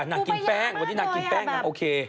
นางกินแป้งวันนี้นางกินแป้งนางโอเค